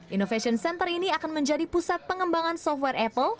innovation center ini akan menjadi pusat pengembangan software apple